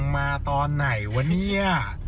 มาตอนไหนวะเนี่ย